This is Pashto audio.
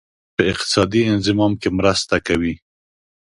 په اقتصادي انضمام کې مرسته کوي.